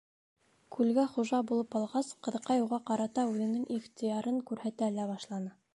Күлгә хужа булып алғас, ҡыҙыҡай уға ҡарата үҙенең ихтыярын күрһәтә лә башланы.